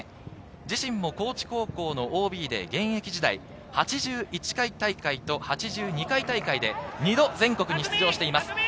自身も高知高校のＯＢで現役時代、８１回大会と８２回大会で２度全国に出場しています。